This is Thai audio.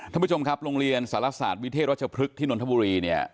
ท่านผู้ชมครับโรงเรียนสารศาสตร์วิเทศรัชพฤกษ์ที่นนทบุรีเนี่ย